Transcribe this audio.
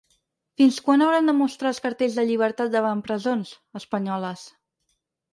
Fins quan haurem de mostrar els cartells de ‘Llibertat’ davant presons, espanyoles?